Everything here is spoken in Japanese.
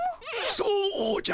そうじゃ。